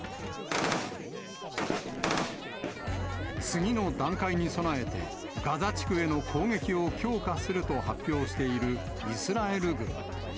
次の段階に備えて、ガザ地区への攻撃を強化すると発表しているイスラエル軍。